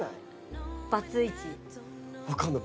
わかんない。